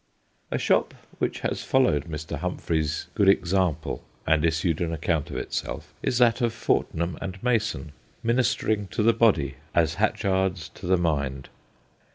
A shop which has followed Mr. Hum phreys' good example and issued an account of itself, is that of Fortnum and Mason ministering to the body as Hatchard's to the mind.